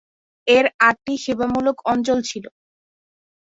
এর আটটি সেবামূলক অঞ্চল ছিল।